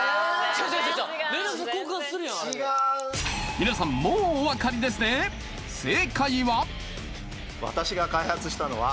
皆さんもうお分かりですねあ！